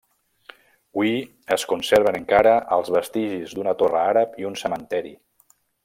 Hui es conserven encara els vestigis d'una torre àrab i un cementeri.